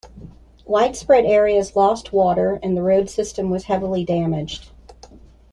Widespread areas lost water, and the road system was heavily damaged.